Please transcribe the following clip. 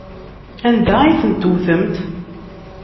Anda ay ten-tewtemt?